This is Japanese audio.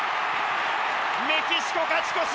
メキシコ勝ち越し！